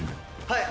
はい！